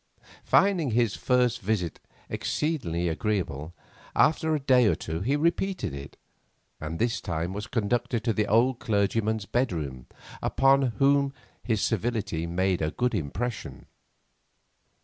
Finding his visit exceedingly agreeable, after a day or two he repeated it, and this time was conducted to the old clergyman's bedroom, upon whom his civility made a good impression.